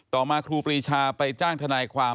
ต่อมาครูปรีชาไปจ้างทนายความ